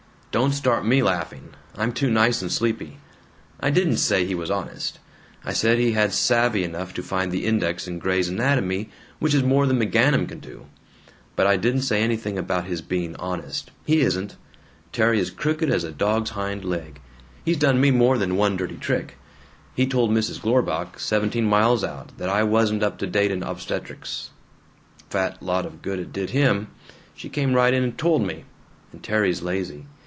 Don't start me laughing I'm too nice and sleepy! I didn't say he was honest. I said he had savvy enough to find the index in 'Gray's Anatomy,' which is more than McGanum can do! But I didn't say anything about his being honest. He isn't. Terry is crooked as a dog's hind leg. He's done me more than one dirty trick. He told Mrs. Glorbach, seventeen miles out, that I wasn't up to date in obstetrics. Fat lot of good it did him! She came right in and told me! And Terry's lazy.